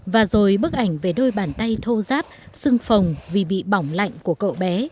và rồi bức ảnh về đôi bàn tay thô giáp xưng phồng vì bị bỏng lạnh của cậu bé